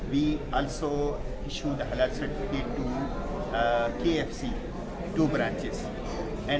kami juga menawarkan sertifikasi halal untuk kfc dua perusahaan